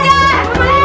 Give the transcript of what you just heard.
kami bukan balik